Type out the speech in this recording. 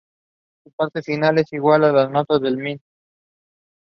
But it is clear that Letty Ransome is also interested.